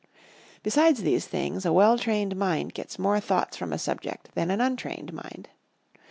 Besides these things, a well trained mind gets more thoughts from a subject than an untrained mind.